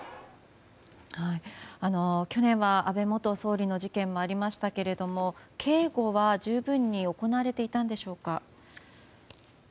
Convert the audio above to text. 去年は、安倍元総理の事件もありましたけれども警護は十分に行われていたんでしょうか。